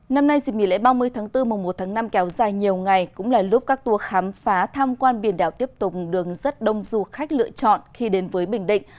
năm nay dịp mỉ lễ ba mươi tháng bốn mùa một tháng năm kéo dài nhiều ngày cũng là lúc các tour khám phá tham quan biển đảo tiếp tục đường rất đông du khách lựa chọn khi đến với bình định